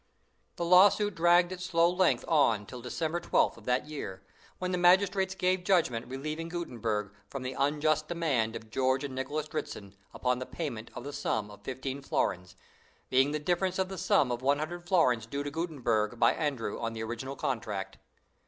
The lawsuit dragged its slow length on until December 12th of that year, when the magistrates gave judgment relieving Gutenberg from "the unjust demand of George and Nicholas Dritzhn, upon the payment of the sum of fifteen florins, being the difference of the sum of one hundred florins due to Gutenberg by Andrew on the original contract."